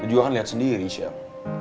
lo juga kan liat sendiri siap